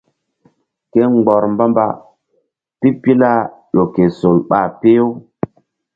Ke mgbɔr mba-mba pipila ƴo ke sol ɓa peh-u.